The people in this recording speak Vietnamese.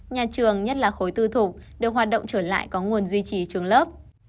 nhà trường nhất là khối tư thục đều hoạt động trở lại có nguồn duy trì trường lớp